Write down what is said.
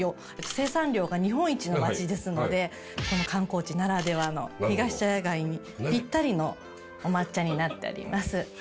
生産量が日本一の町ですのでこの観光地ならではのひがし茶屋街にぴったりのお抹茶になっております。